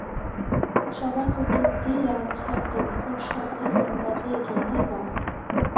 সবার কটূক্তি রাগ ঝাড়তে বিকট শব্দে হর্ন বাজিয়ে এগিয়ে নেয় বাস।